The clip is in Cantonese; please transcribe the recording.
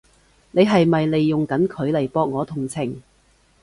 你係咪利用緊佢嚟博我同情？